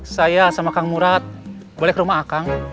saya sama kang murad balik rumah akang